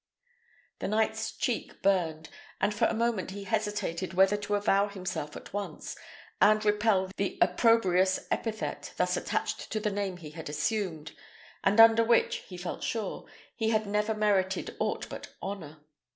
The knight's cheek burned, and for a moment he hesitated whether to avow himself at once, and repel the opprobrious epithet thus attached to the name he had assumed, and under which, he felt full sure, he had never merited aught but honour.